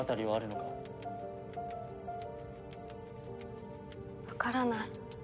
わからない。